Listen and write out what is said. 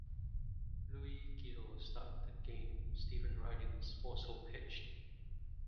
Luis Gil started the game and Stephen Ridings also pitched.